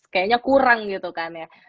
kayaknya kurang gitu kan ya